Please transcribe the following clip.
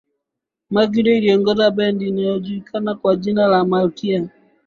mercury aliongoza bendi iliyojulikana kwa jina la malkia